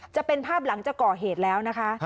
จะเป็นภาพหลังจากก่อเหตุแล้วนะคะ